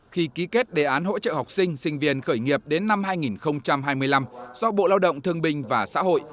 khi ký kết đề án hỗ trợ học sinh sinh viên khởi nghiệp đến năm hai nghìn hai mươi năm do bộ lao động thương bình và xã hội